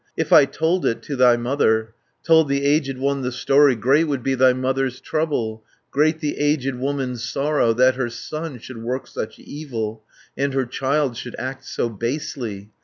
160 If I told it to thy mother, Told the aged one the story, Great would be thy mother's trouble, Great the aged woman's sorrow, That her son should work such evil, And her child should act so basely.